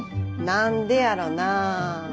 何でやろなあ？